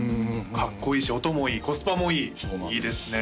かっこいいし音もいいコスパもいいいいですね